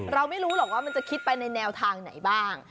เราไม่รู้หรอกว่ามันจะคิดไปในแนวทางไหนบ้าง